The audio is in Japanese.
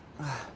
ああ！